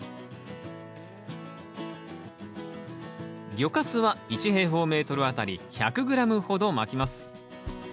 魚かすは１あたり１００ｇほどまきます。